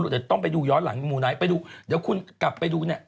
เดี๋ยวต้องไปดูย้อนหลังมูไนท์ไปดูเดี๋ยวคุณกลับไปดูเนี่ย